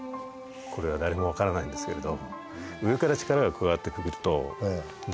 これは誰も分からないんですけれど